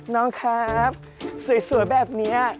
น้องครับสวยแบบนี้